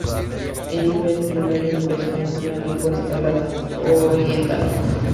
El libro es el primero impreso en una lengua eslava oriental.